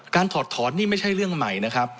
ถอดถอนนี่ไม่ใช่เรื่องใหม่นะครับ